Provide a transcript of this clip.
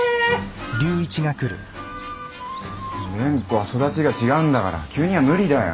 蓮子は育ちが違うんだから急には無理だよ。